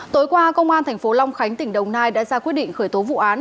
tối qua công an tp long khánh tỉnh đồng nai đã ra quyết định khởi tố vụ án